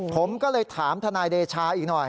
ผมก็เลยถามทนายเดชาอีกหน่อย